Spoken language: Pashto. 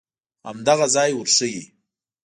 همدغه ځای ورښیې.